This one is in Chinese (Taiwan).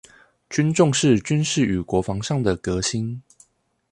均重視軍事與國防上的革新